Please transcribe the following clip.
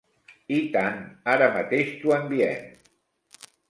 I tant, ara mateix t'ho enviem.